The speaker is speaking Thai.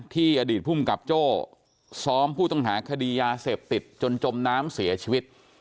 อดีตภูมิกับโจ้ซ้อมผู้ต้องหาคดียาเสพติดจนจมน้ำเสียชีวิต